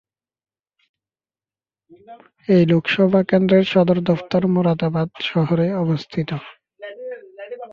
এই লোকসভা কেন্দ্রের সদর দফতর মোরাদাবাদ শহরে অবস্থিত।